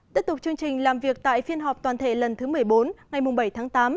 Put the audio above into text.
tiếp tục chương trình làm việc tại phiên họp toàn thể lần thứ một mươi bốn ngày bảy tháng tám